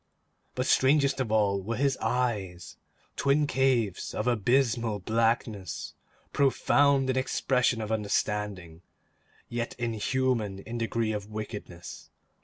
But strangest of all were his eyes; twin caves of abysmal blackness; profound in expression of understanding, yet inhuman in degree of wickedness.